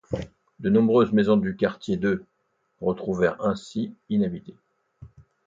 De nombreuses maisons du quartier de retrouvèrent ainsi inhabitées.